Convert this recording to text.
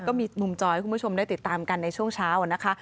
ก็มีมุมจอให้คุณผู้ชมได้ติดตามกันในช่วงเช้านะคะ